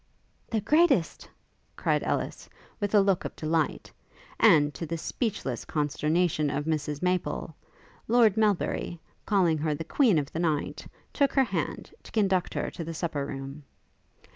'The greatest!' cried Ellis, with a look of delight; and, to the speechless consternation of Mrs Maple, Lord Melbury, calling her the Queen of the night, took her hand, to conduct her to the supper room.